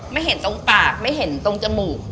ไม่เห็นตรงปากไม่เห็นตรงจมูก